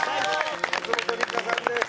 松本梨香さんです。